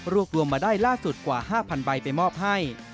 รวมมาได้ล่าสุดกว่า๕๐๐ใบไปมอบให้